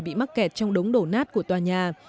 bị mắc kẹt trong đống đổ nát của tòa nhà